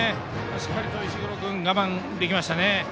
しっかりと石黒君我慢できましたね。